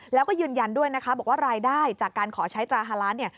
แล้วก็ยืนยันด้วยนะคะบอกว่ารายได้จากการขอใช้ตรา๕ล้านเนี่ย